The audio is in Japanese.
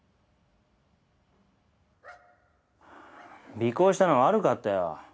尾行したのは悪かったよ。